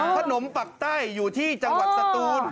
ขนมปักใต้อยู่ที่จังหวัดสตูน